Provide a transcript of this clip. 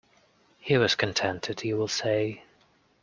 He was contented, you will say.